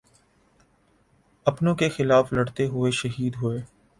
اپنوں کیخلاف لڑتے ہوئے شہید ہوئے